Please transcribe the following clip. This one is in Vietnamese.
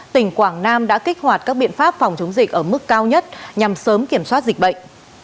tỉnh quảng nam đã kích hoạt các biện pháp phòng chống dịch ở mức cao nhất nhằm sớm kiểm soát dịch bệnh